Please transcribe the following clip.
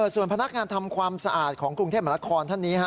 ส่วนพนักงานทำความสะอาดของกรุงเทพมนาคอนท่านนี้